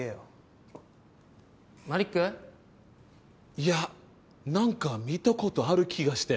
いやなんか見たことある気がして。